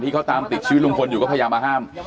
เขาตามติดชีวิตลุงพลอยู่ก็พยายามมาห้าม